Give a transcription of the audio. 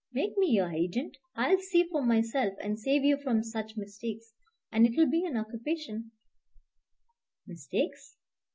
Make me your agent. I will see for myself, and save you from such mistakes; and it will be an occupation " "Mistakes?